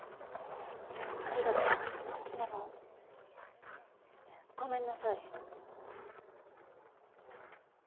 ありがとうでも。ごめんなさい。